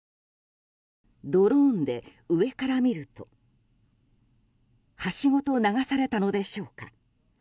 ドローンで、上から見ると橋ごと流されたのでしょうか。